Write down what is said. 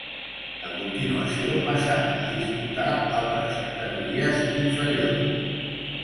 A continuació passà a disputar altres categories inferiors.